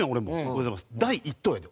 第一投やで？